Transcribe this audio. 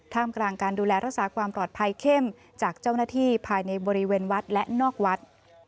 มกลางการดูแลรักษาความปลอดภัยเข้มจากเจ้าหน้าที่ภายในบริเวณวัดและนอกวัด